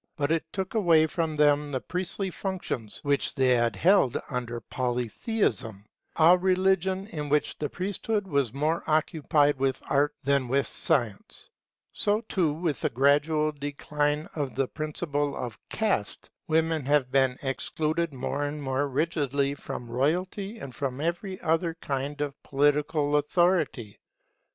But it took away from them the priestly functions which they had held under Polytheism; a religion in which the priesthood was more occupied with Art than with Science. So too with the gradual decline of the principle of Caste, women have been excluded more and more rigidly from royalty and from every other kind of political authority.